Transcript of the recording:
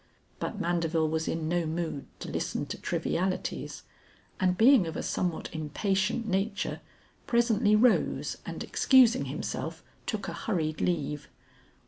But Mandeville was in no mood to listen to trivialities, and being of a somewhat impatient nature, presently rose and excusing himself, took a hurried leave.